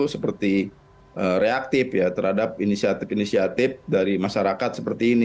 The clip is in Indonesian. seperti reaktif ya terhadap inisiatif inisiatif dari masyarakat seperti ini